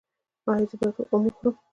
ایا زه باید ام وخورم؟